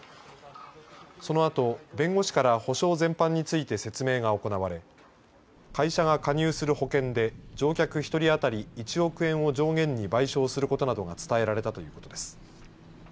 そのあと弁護士から補償全般について説明が行われ会社が加入する保険で乗客１人当たり１億円を上限に賠償することなどが伝えられたということです。